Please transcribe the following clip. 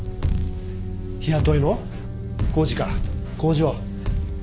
日雇いの工事か工場。